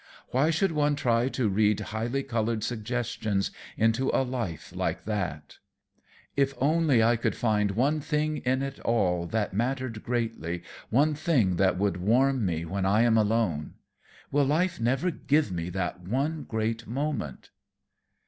Why should one try to read highly colored suggestions into a life like that? If only I could find one thing in it all that mattered greatly, one thing that would warm me when I am alone! Will life never give me that one great moment?"